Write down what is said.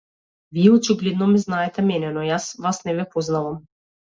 Вие очигледно ме знаете мене, но јас вас не ве познавам.